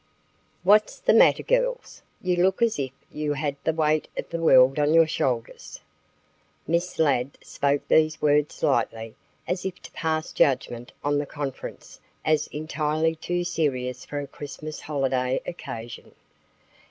"What's the matter, girls? You look as if you had the weight of the world on your shoulders." Miss Ladd spoke these words lightly as if to pass judgment on the conference as entirely too serious for a Christmas holiday occasion.